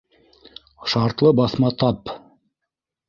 Шартлы баҫма таб.